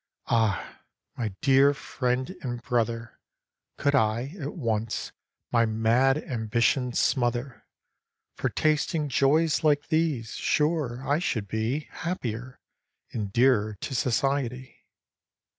Ah, my dear friend and brother, Could I, at once, my mad ambition smother, For tasting joys like these, sure I should be Happier, and dearer to society.